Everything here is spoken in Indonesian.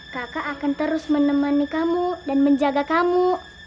kakak akan terus menemani kamu dan menjaga kamu